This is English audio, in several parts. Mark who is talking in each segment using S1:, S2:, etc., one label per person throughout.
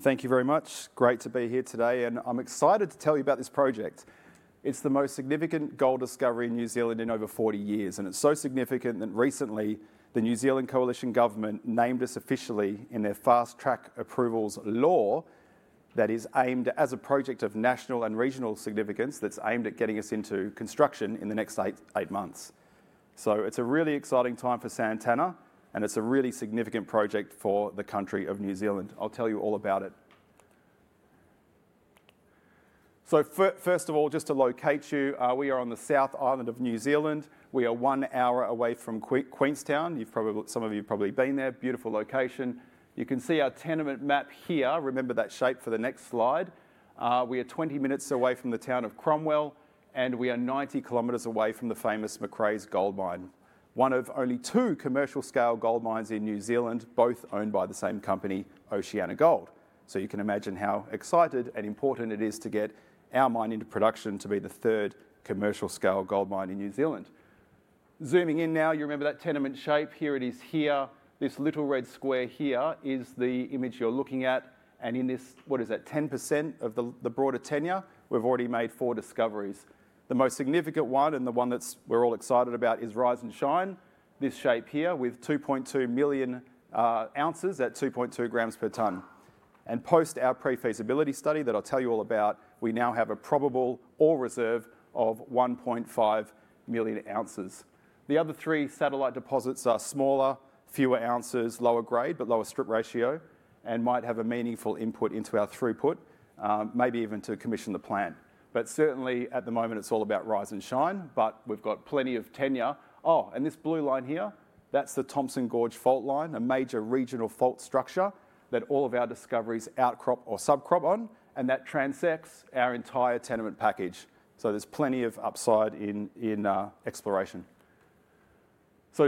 S1: Thank you very much. Great to be here today, and I'm excited to tell you about this project. It's the most significant gold discovery in New Zealand in over 40 years, and it's so significant that recently the New Zealand Coalition Government named us officially in their Fast-track Approvals Law that is aimed as a project of national and regional significance that's aimed at getting us into construction in the next eight months, so it's a really exciting time for Santana, and it's a really significant project for the country of New Zealand. I'll tell you all about it, so first of all, just to locate you, we are on the South Island of New Zealand. We are one hour away from Queenstown. You've probably, some of you have probably been there. Beautiful location. You can see our tenement map here. Remember that shape for the next slide. We are 20 minutes away from the town of Cromwell, and we are 90 km away from the famous Macraes gold mine, one of only two commercial-scale gold mines in New Zealand, both owned by the same company, OceanaGold. So you can imagine how excited and important it is to get our mine into production to be the third commercial-scale gold mine in New Zealand. Zooming in now, you remember that tenement shape? Here it is here. This little red square here is the image you're looking at. And in this, what is that, 10% of the broader tenement, we've already made four discoveries. The most significant one, and the one that we're all excited about, is Rise and Shine, this shape here with 2.2 million ounces at 2.2 grams per tonne. Post our pre-feasibility study that I'll tell you all about, we now have a Probable Ore Reserve of 1.5 million ounces. The other three satellite deposits are smaller, fewer ounces, lower grade, but lower strip ratio, and might have a meaningful input into our throughput, maybe even to commission the plant. Certainly at the moment, it's all about Rise and Shine, but we've got plenty of tenement. Oh, and this blue line here, that's the Thomsons Gorge Fault, a major regional fault structure that all of our discoveries outcrop or subcrop on, and that transects our entire tenement package. There's plenty of upside in exploration.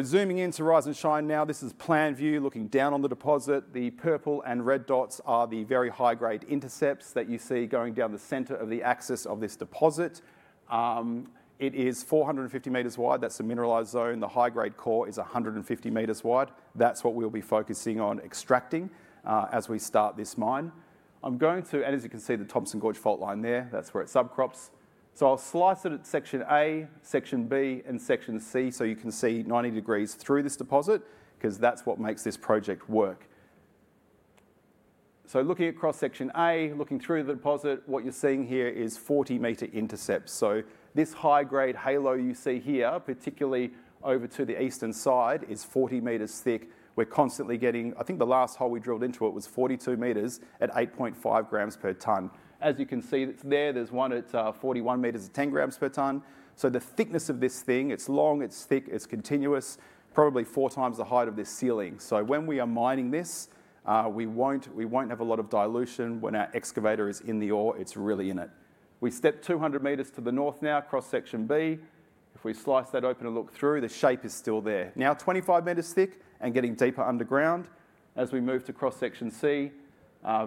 S1: Zooming into Rise and Shine now, this is plan view looking down on the deposit. The purple and red dots are the very high grade intercepts that you see going down the center of the axis of this deposit. It is 450 meters wide. That's the mineralized zone. The high grade core is 150 meters wide. That's what we'll be focusing on extracting as we start this mine. I'm going to, and as you can see the Thomson Gorge Fault there, that's where it subcrops. So I'll slice it at section A, section B, and section C so you can see 90 degrees through this deposit because that's what makes this project work. So looking across section A, looking through the deposit, what you're seeing here is 40 meter intercepts. So this high grade halo you see here, particularly over to the eastern side, is 40 meters thick. We're constantly getting, I think the last hole we drilled into it was 42 meters at 8.5 grams per ton. As you can see there, there's one at 41 meters at 10 grams per ton. So the thickness of this thing, it's long, it's thick, it's continuous, probably four times the height of this ceiling. So when we are mining this, we won't have a lot of dilution when our excavator is in the ore. It's really in it. We step 200 meters to the north now, cross section B. If we slice that open and look through, the shape is still there. Now 25 meters thick and getting deeper underground as we move to cross section C,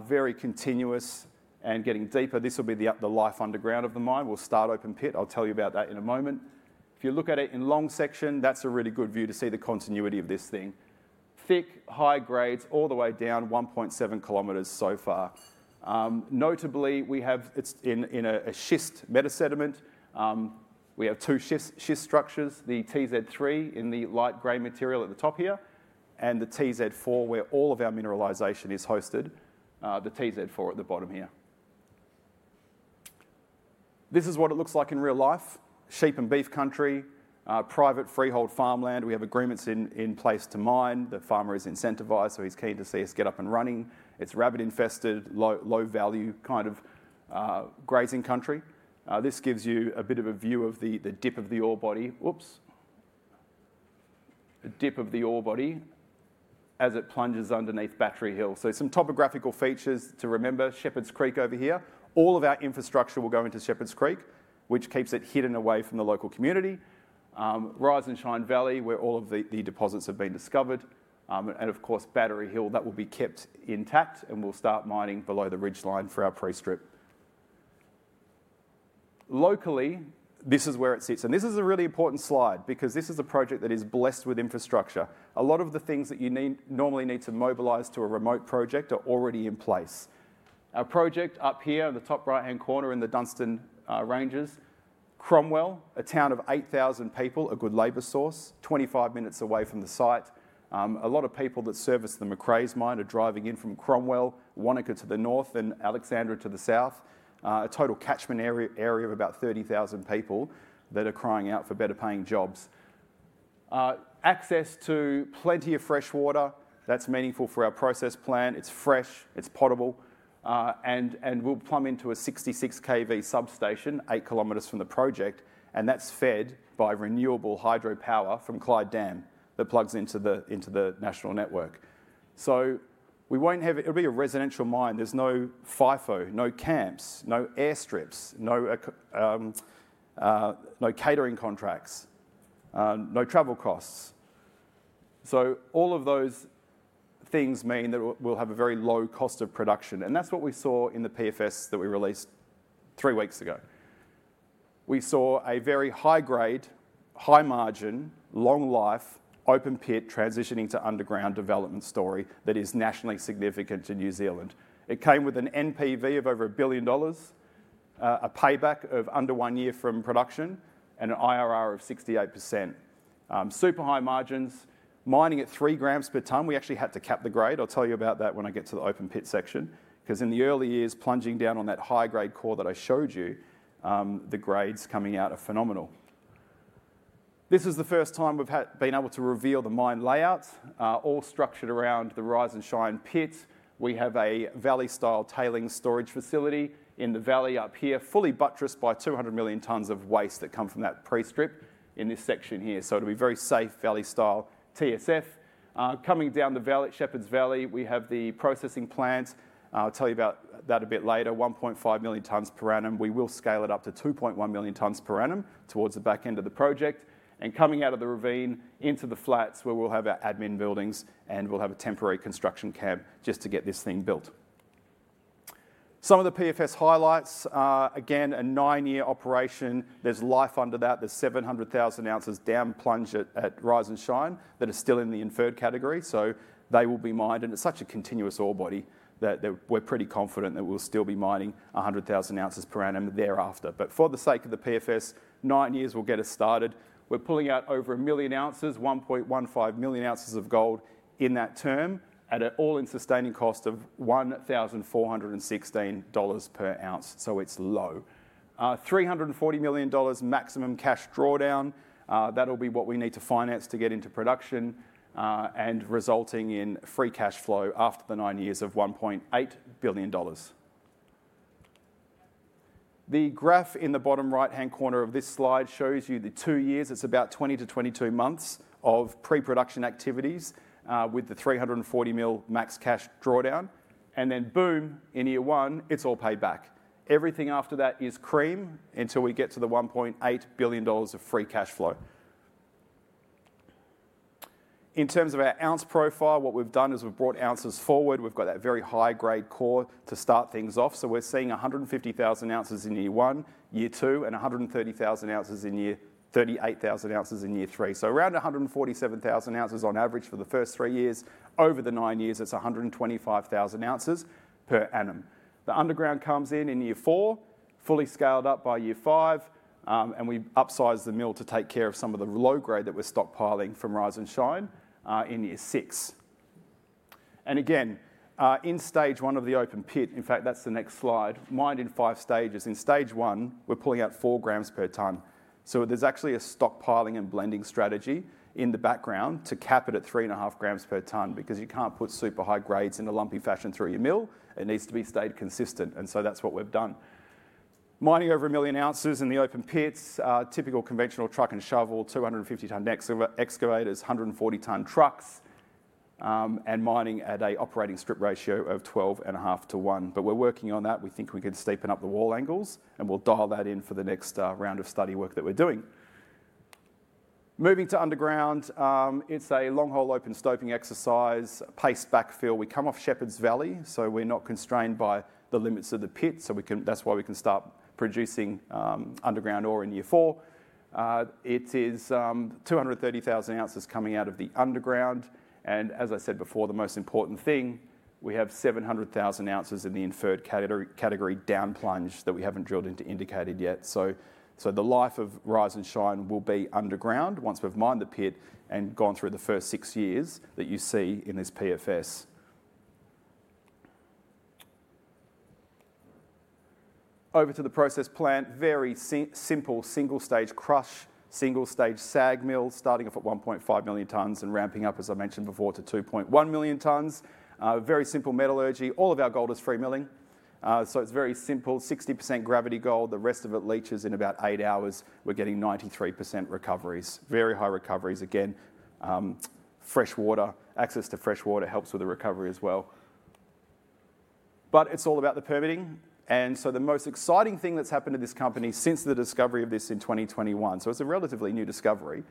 S1: very continuous and getting deeper. This will be the life underground of the mine. We'll start open pit. I'll tell you about that in a moment. If you look at it in long section, that's a really good view to see the continuity of this thing. Thick, high grades, all the way down 1.7 km so far. Notably, we have, it's in a schist metasediment. We have two schist structures, the TZ3 in the light gray material at the top here, and the TZ4 where all of our mineralization is hosted, the TZ4 at the bottom here. This is what it looks like in real life. Sheep and beef country, private freehold farmland. We have agreements in place to mine. The farmer is incentivized, so he's keen to see us get up and running. It's rabbit infested, low value kind of grazing country. This gives you a bit of a view of the dip of the ore body. Oops. A dip of the ore body as it plunges underneath Battery Hill. So some topographical features to remember, Shepherds Creek over here. All of our infrastructure will go into Shepherds Creek, which keeps it hidden away from the local community. Rise and Shine Valley, where all of the deposits have been discovered. Of course, Battery Hill, that will be kept intact and we'll start mining below the ridge line for our pre-strip. Locally, this is where it sits. This is a really important slide because this is a project that is blessed with infrastructure. A lot of the things that you normally need to mobilize to a remote project are already in place. Our project up here in the top right-hand corner in the Dunstan Ranges, Cromwell, a town of 8,000 people, a good labor source, 25 minutes away from the site. A lot of people that service the Macraes mine are driving in from Cromwell, Wanaka to the north, and Alexandra to the south. A total catchment area of about 30,000 people that are crying out for better paying jobs. Access to plenty of fresh water. That's meaningful for our processing plant. It's fresh, it's potable, and we'll plumb into a 66 kV substation eight kilometers from the project, and that's fed by renewable hydropower from Clyde Dam that plugs into the national network. So it'll be a residential mine. There's no FIFO, no camps, no airstrips, no catering contracts, no travel costs. So all of those things mean that we'll have a very low cost of production, and that's what we saw in the PFS that we released three weeks ago. We saw a very high grade, high margin, long life, open pit transitioning to underground development story that is nationally significant to New Zealand. It came with an NPV of over $1 billion, a payback of under one year from production, and an IRR of 68%. Super high margins, mining at three grams per tonne. We actually had to cap the grade. I'll tell you about that when I get to the open pit section, because in the early years, plunging down on that high grade core that I showed you, the grades coming out are phenomenal. This is the first time we've been able to reveal the mine layout, all structured around the Rise and Shine pit. We have a valley style tailings storage facility in the valley up here, fully buttressed by 200 million tonnes of waste that come from that pre-strip in this section here. So it'll be very safe valley style TSF. Coming down the valley, Shepherd's Valley, we have the processing plant. I'll tell you about that a bit later, 1.5 million tonnes per annum. We will scale it up to 2.1 million tonnes per annum towards the back end of the project. And coming out of the ravine into the flats where we'll have our admin buildings and we'll have a temporary construction cab just to get this thing built. Some of the PFS highlights, again, a nine year operation. There's life under that. There's 700,000 ounces down plunge at Rise and Shine that are still in the inferred category. So they will be mined. And it's such a continuous ore body that we're pretty confident that we'll still be mining 100,000 ounces per annum thereafter. But for the sake of the PFS, nine years will get us started. We're pulling out over a million ounces, 1.15 million ounces of gold in that term, at an all in sustaining cost of $1,416 per ounce. So it's low. $340 million maximum cash drawdown. That'll be what we need to finance to get into production, resulting in free cash flow after the nine years of $1.8 billion. The graph in the bottom right-hand corner of this slide shows you the two years. It's about 20-22 months of pre-production activities with the $340 million max cash drawdown. And then boom, in year one, it's all paid back. Everything after that is cream until we get to the $1.8 billion of free cash flow. In terms of our ounce profile, what we've done is we've brought ounces forward. We've got that very high grade core to start things off. So we're seeing 150,000 ounces in year one, year two, and 130,000 ounces in year, 38,000 ounces in year three. So around 147,000 ounces on average for the first three years. Over the nine years, it's 125,000 ounces per annum. The underground comes in in year four, fully scaled up by year five, and we upsize the mill to take care of some of the low grade that we're stockpiling from Rise and Shine in year six. In stage one of the open pit, in fact, that's the next slide. It's mined in five stages. In stage one, we're pulling out four grams per tonne. So there's actually a stockpiling and blending strategy in the background to cap it at 3.5 grams per tonne because you can't put super high grades in a lumpy fashion through your mill. It needs to be stayed consistent. That's what we've done. We're mining over a million ounces in the open pits, typical conventional truck and shovel, 250 tonne excavators, 140 tonne trucks, and mining at an operating strip ratio of 12.5:1. But we're working on that. We think we can steepen up the wall angles, and we'll dial that in for the next round of study work that we're doing. Moving to underground, it's a longhole open stoping exercise, paste backfill. We come off Shepherds Creek, so we're not constrained by the limits of the pit. So that's why we can start producing underground ore in year four. It is 230,000 ounces coming out of the underground. And as I said before, the most important thing, we have 700,000 ounces in the inferred category down plunge that we haven't drilled into indicated yet. So the life of Rise and Shine will be underground once we've mined the pit and gone through the first six years that you see in this PFS. Over to the processing plant, very simple single stage crush, single stage SAG mill starting off at 1.5 million tonnes and ramping up, as I mentioned before, to 2.1 million tonnes. Very simple metallurgy. All of our gold is free milling, so it's very simple, 60% gravity gold. The rest of it leaches in about eight hours. We're getting 93% recoveries, very high recoveries. Again, fresh water, access to fresh water helps with the recovery as well, but it's all about the permitting, and so the most exciting thing that's happened to this company since the discovery of this in 2021, so it's a relatively new discovery,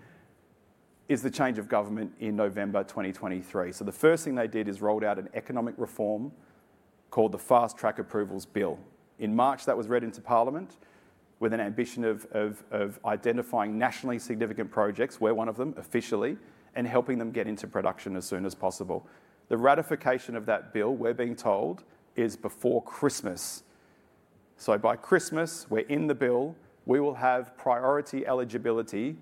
S1: is the change of government in November 2023, so the first thing they did is rolled out an economic reform called the Fast-track Approvals Bill. In March, that was read into parliament with an ambition of identifying nationally significant projects. We're one of them officially, and helping them get into production as soon as possible. The ratification of that bill, we're being told, is before Christmas, so by Christmas, we're in the bill. We will have priority eligibility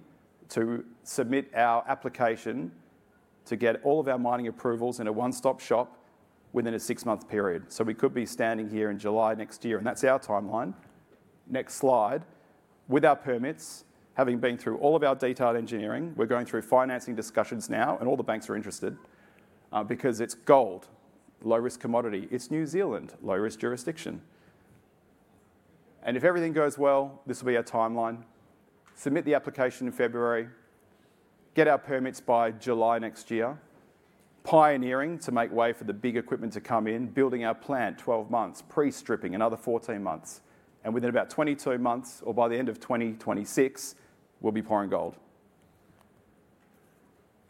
S1: to submit our application to get all of our mining approvals in a one-stop shop within a six-month period, so we could be standing here in July next year, and that's our timeline. Next slide. With our permits, having been through all of our detailed engineering, we're going through financing discussions now, and all the banks are interested because it's gold, low risk commodity. It's New Zealand, low risk jurisdiction, and if everything goes well, this will be our timeline. Submit the application in February, get our permits by July next year, pioneering to make way for the big equipment to come in, building our plant 12 months, pre-stripping another 14 months. Within about 22 months, or by the end of 2026, we'll be pouring gold.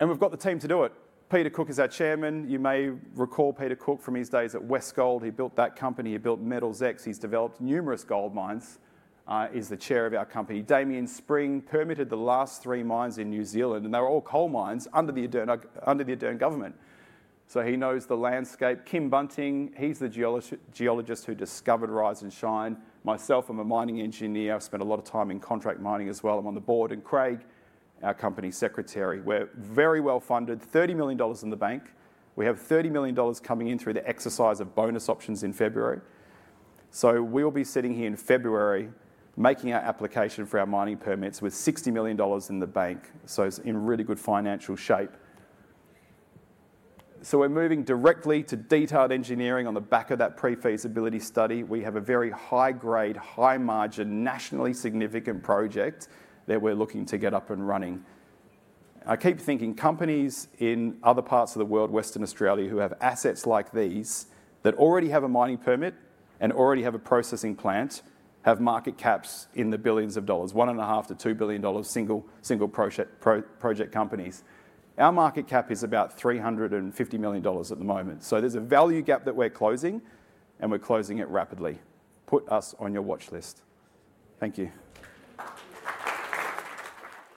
S1: We've got the team to do it. Peter Cook is our chairman. You may recall Peter Cook from his days at Westgold. He built that company. He built Metals X. He's developed numerous gold mines. He's the chair of our company. Damian Spring permitted the last three mines in New Zealand, and they were all coal mines under the Ardern government. So he knows the landscape. Kim Bunting, he's the geologist who discovered Rise and Shine. Myself, I'm a mining engineer. I've spent a lot of time in contract mining as well. I'm on the board. Craig, our company secretary. We're very well funded, 30 million dollars in the bank. We have 30 million dollars coming in through the exercise of bonus options in February. So we will be sitting here in February making our application for our mining permits with 60 million dollars in the bank. So it's in really good financial shape. So we're moving directly to detailed engineering on the back of that pre-feasibility study. We have a very high grade, high margin, nationally significant project that we're looking to get up and running. I keep thinking companies in other parts of the world, Western Australia, who have assets like these that already have a mining permit and already have a processing plant, have market caps in the billions of dollars, 1.5-2 billion dollars single project companies. Our market cap is about 350 million dollars at the moment. So there's a value gap that we're closing, and we're closing it rapidly. Put us on your watch list. Thank you.